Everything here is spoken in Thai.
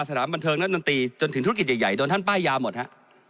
สถานบันเทิงนักดนตรีจนถึงธุรกิจใหญ่โดนท่านป้ายยาวหมดฮะ